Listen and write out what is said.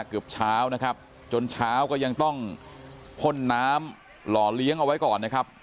เกือบเช้านะครับจนเช้าก็ยังต้องพ่นน้ำหล่อเลี้ยงเอาไว้ก่อนนะครับ